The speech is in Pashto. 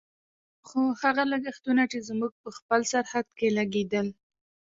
خو هغه لګښتونه چې زموږ په خپل سرحد کې لګېدل.